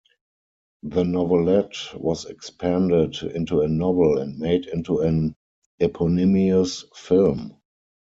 The novelette was expanded into a novel and made into an eponymous film.